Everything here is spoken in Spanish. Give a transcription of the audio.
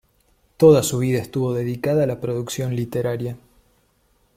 Toda su vida estuvo dedicada a la producción literaria.